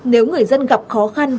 nếu người dân gặp khó khăn